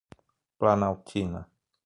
Planaltina